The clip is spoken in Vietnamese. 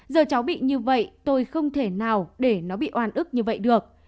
giờ cháu bị như vậy tôi không thể nào để nó bị oan ức như vậy được